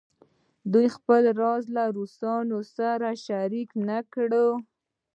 دوی خپل راز له روسانو سره شریک نه کړي.